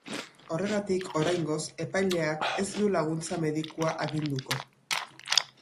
Horregatik, oraingoz, epaileak ez du laguntza medikua aginduko.